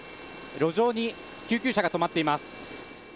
路上に救急車が止まっています。